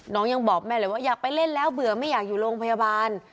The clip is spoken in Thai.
ยังบอกแม่เลยว่าอยากไปเล่นแล้วเบื่อไม่อยากอยู่โรงพยาบาล